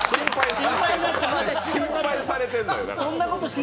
心配されてんのよ、だから。